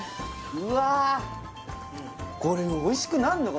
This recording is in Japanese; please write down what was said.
うわこれおいしくなんのか？